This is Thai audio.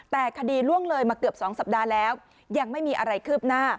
แต่คดีล่วงเลยมาเกือบ๒สัปดาห์แล้วยังไม่มีอะไรคืบหน้า